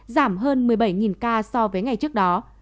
giảm hơn một mươi bảy ca so với ngày trước đó